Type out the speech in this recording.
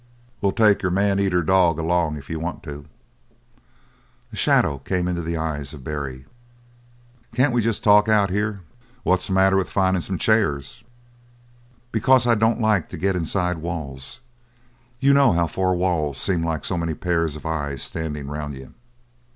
We'll take your man eater along, if you want to." A shadow came in the eyes of Barry. "Can't we talk jest as well out here?" "What's the matter with findin' some chairs?" "Because I don't like to get inside walls. You know how four walls seem like so many pairs of eyes standin' around you?"